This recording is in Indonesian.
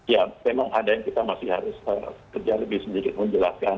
ya memang ada yang kita masih harus kerja lebih sendiri menjelaskan